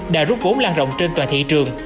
đã rút vốn lan rộng trên toàn thị trường